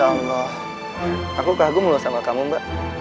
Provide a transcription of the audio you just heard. ya allah aku kagum loh sama kamu mbak